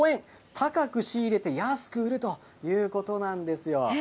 高く仕入れて安く売るということなんですよ。